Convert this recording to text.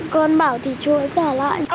cô chú vừa làm thế là không tốt à